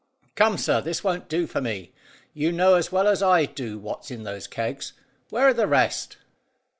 "Come, sir; this won't do for me. You know as well as I do what's in those kegs. Where are the rest?"